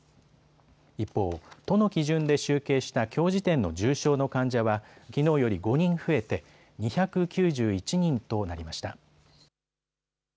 一方、都の基準で集計したきょう時点の重症の患者はきのうより５人増えて２９１人となりました。